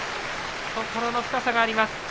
懐の深さがあります。